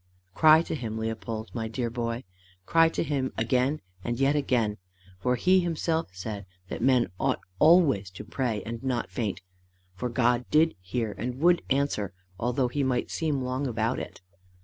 Cry to him, Leopold, my dear boy. Cry to him again and yet again, for he himself said that men ought always to pray and not faint, for God did hear and would answer although he might seem long about it.